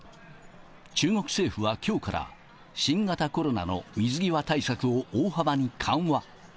中国政府はきょうから、新型コロナの水際対策を大幅に緩和。